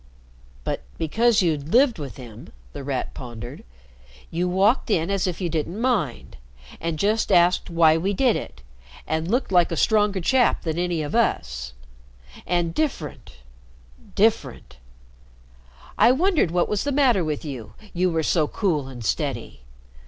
"But because you'd lived with him," The Rat pondered, "you walked in as if you didn't mind, and just asked why we did it, and looked like a stronger chap than any of us and different different. I wondered what was the matter with you, you were so cool and steady.